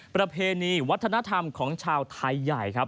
ประเพณีวัฒนธรรมของชาวไทยใหญ่ครับ